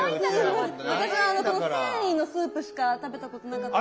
私はこの線維のスープしか食べたことなかった。